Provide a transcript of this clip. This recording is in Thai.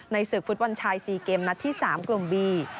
ศึกฟุตบอลชาย๔เกมนัดที่๓กลุ่มบี